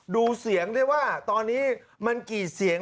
ดูเสียงได้ว่าตอนนี้มันกี่เสียง